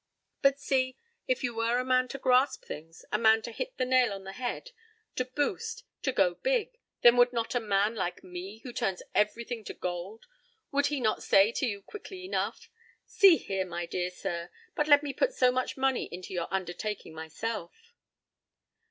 But see, if you were a man to grasp things, a man to 'hit the nail in the head,' to 'boost,' to 'go big'—then would not a man like me, who turns everything to gold—would he not say to you quickly enough, 'See here, my dear sir, but let me put so much money into the undertaking myself?'"